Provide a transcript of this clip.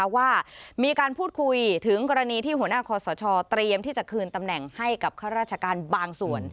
ว่ามีการพูดคุยถึงกรณีที่หัวหน้าคอสชเตรียมที่จะคืนตำแหน่งให้กับข้าราชการบางส่วน